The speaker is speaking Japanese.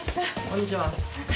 こんにちは